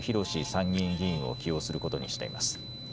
参議院議員を起用することにしています。